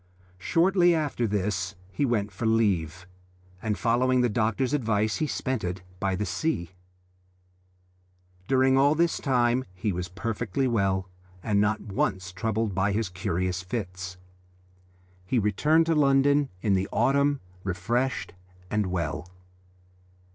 Shortly after this he went for leave, and following the doctor's advice he spent it by the sea. During all this time he was perfectly well, and was not once troubled by his curious fits. He returned to London in the autumn refreshed and well.